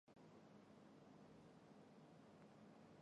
主要使用旁遮普语。